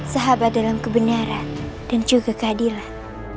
sahabat dalam kebenaran dan juga keadilan